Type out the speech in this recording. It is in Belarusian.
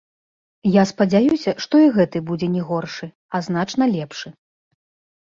Я спадзяюся, што і гэты будзе не горшы, а значна лепшы.